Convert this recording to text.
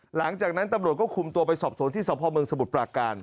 หลังจากนั้นตำรวจก็คุมตัวไปสอบสวนที่สพเมืองสมุทรปราการ